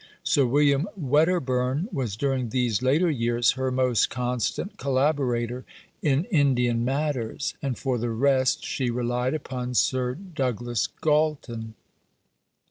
Sir William Wedderburn was during these later years her most constant collaborator in Indian matters, and for the rest she relied upon Sir Douglas Galton.